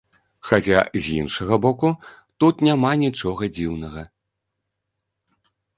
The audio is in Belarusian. Хаця, з іншага боку, тут няма нічога дзіўнага.